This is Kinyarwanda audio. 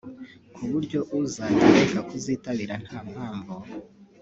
ku buryo uzajya areka kuzitabira nta mpamvu